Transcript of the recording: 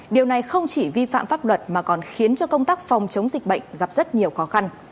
điều này không chỉ vi phạm pháp luật mà còn khiến cho công tác phòng chống dịch bệnh gặp rất nhiều khó khăn